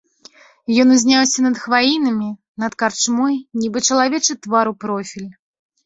Ён узняўся над хваінамі, над карчмой, нібы чалавечы твар у профіль.